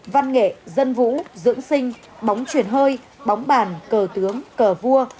văn nghệ dân vũ dưỡng sinh bóng truyền hơi bóng bàn cờ tướng cờ vua